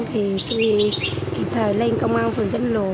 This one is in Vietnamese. thì tôi kịp thời lên công an phường tránh lũ